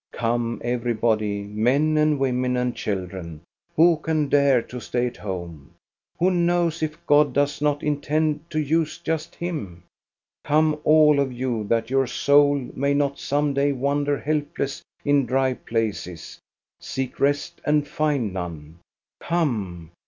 Come everybody, men and women and children! Who can dare to stay at home ? Who knows if God does not intend to use just him } Come all of you, that your soul may not some day wander helpless in dry places, seek rest and find none! Come!